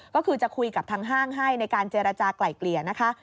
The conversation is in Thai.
ก็คือจะคุยกับทางห้างให้ในการเจรจากลายเกลี่ยนะคะ